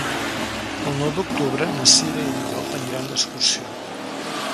El nou d'octubre na Cira i en Llop aniran d'excursió.